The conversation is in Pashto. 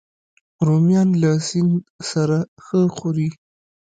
رومیان له سیند سره ښه خوري